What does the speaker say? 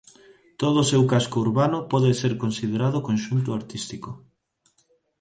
Todo o seu casco urbano pode ser considerado conxunto artístico.